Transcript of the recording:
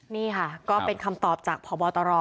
นี่ค่ะก็เป็นคำตอบจากพบตร